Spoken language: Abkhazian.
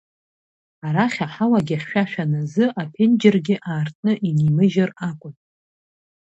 Арахь аҳауагьы хьшәашәан азы аԥенџьыргьы аартны инимыжьыр акәын.